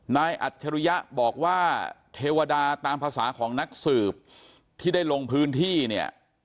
อัจฉริยะบอกว่าเทวดาตามภาษาของนักสืบที่ได้ลงพื้นที่เนี่ย